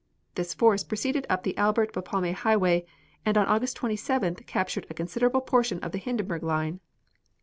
This force proceeded up the Albert Bapaume highway, and on August 27th captured a considerable portion of the Hindenburg line.